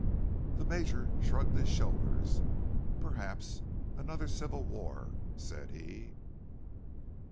The Major shrugged his shoulders. "Perhaps another civil war," said he.